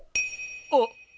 あっ！